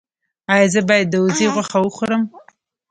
ایا زه باید د وزې غوښه وخورم؟